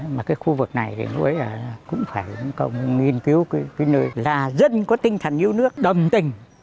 mà cái khu vực này thì ông ấy cũng phải nghiên cứu cái nơi là dân có tinh thần yêu nước đầm tình